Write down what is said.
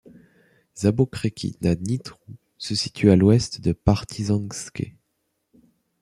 Žabokreky nad Nitrou se situe à l’ouest de Partizánske.